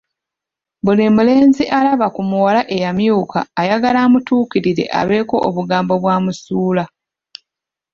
Buli mulenzi alaba ku muwala eyamyuka ayagala amutuukirire abeeko obugambo bwamusuula.